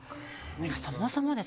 そもそもですね